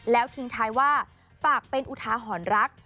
แล้วทิ้งท้ายว่าฝากเป็นอุทาหรณ์รัก